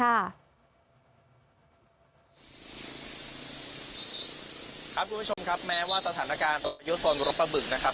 ครับคุณผู้ชมครับแม้ว่าสถานการณ์ยุทธ์ศนรบประบึกนะครับ